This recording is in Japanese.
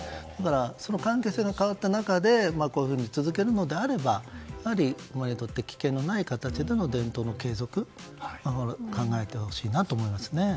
その関係性が変わった中でこういうふうに続けるのであれば馬にとって危険のない形での伝統の継続を考えてほしいなと思いますね。